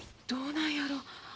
どうなんやろ。